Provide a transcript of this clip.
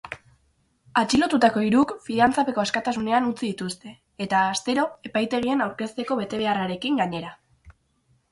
Atxilotutako hiruk fidantzapeko askatasunean utzi dituzte eta astero epaitegian aurkezteko betebeharrarekin gainera.